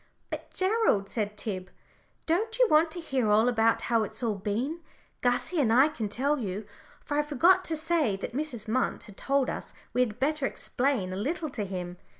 "But, Gerald," said Tib, "don't you want to hear all about how it's all been. Gussie and I can tell you," for I forgot to say that Mrs. Munt had told us we had better explain a little to him.